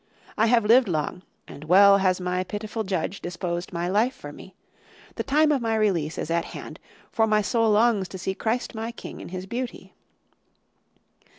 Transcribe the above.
I have lived long; and well has my pitiful judge disposed my life for me; the time of my release is at hand; for my soul longs to see Christ my King in His beauty.